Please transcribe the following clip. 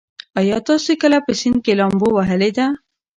ایا تاسي کله په سیند کې لامبو وهلې ده؟